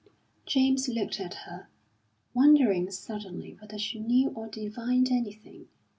James looked at her, wondering suddenly whether she knew or divined anything.